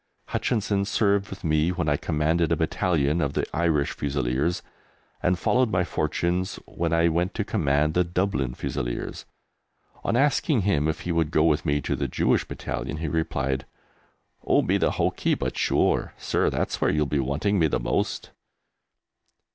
Hutchinson served with me when I commanded a battalion of the Irish Fusiliers, and followed my fortunes when I went to command the Dublin Fusiliers. On asking him if he would go with me to the Jewish Battalion, he replied, "Oh, be the hokey! but shure, Sir, that's where you'll be wanting me the most."